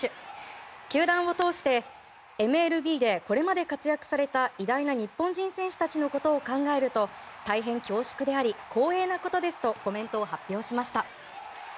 球団を通してＭＬＢでこれまで活躍された偉大な日本人選手たちのことを考えると大変恐縮であり光栄なことですとコメントを発表しました。